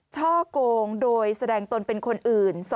ช่อกงโดยแสดงตนเป็นคนอื่น